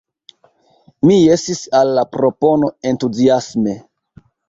Mi jesis al la propono entuziasme.